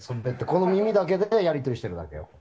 この耳だけでやり取りしてるだけよ。